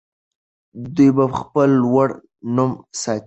دوی به خپل لوړ نوم ساتي.